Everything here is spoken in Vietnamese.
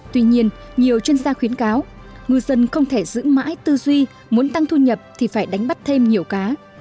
tuy nhiên nhiều chuyên gia khuyến cáo ngư dân không thể giữ mãi tư duy muốn tăng thu nhập thì phải đánh bắt thêm nhiều cá